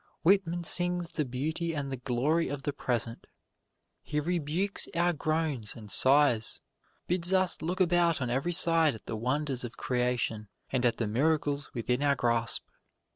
Whitman sings the beauty and the glory of the present. He rebukes our groans and sighs bids us look about on every side at the wonders of creation, and at the miracles within our grasp.